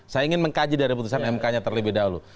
saya ingin mengkaji dari putusan mk nya terlebih dahulu